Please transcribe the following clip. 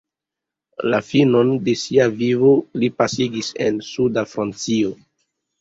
La finon de sia vivo li pasigis en suda Francio.